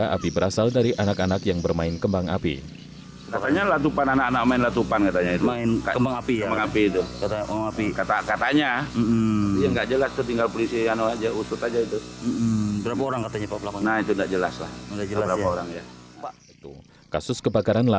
kasus kebakaran lahan diberikan oleh ketua rt setempat